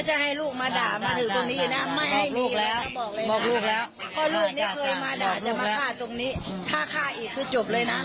จะมาฆ่าตรงนี้หากฆ่าอีกคือจบเลยนะ